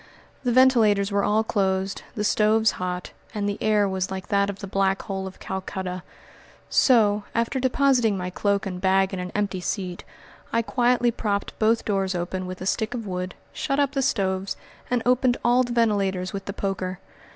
The ventilators were all closed, the stoves hot, and the air was like that of the Black Hole of Calcutta. So, after depositing my cloak and bag in an empty seat, I quietly propped both doors open with a stick of wood, shut up the stoves, and opened all the ventilators with the poker.